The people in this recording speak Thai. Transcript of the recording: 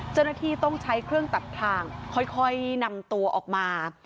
เจ้าหน้าที่ต้องใช้เครื่องตัดทางค่อยนำตัวออกมา